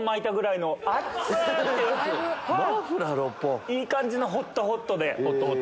いい感じのホットホットで。